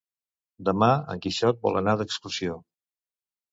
Demà en Quixot vol anar d'excursió.